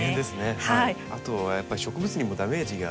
あとはやっぱり植物にもダメージが。